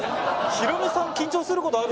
ヒロミさん緊張することあるんですか？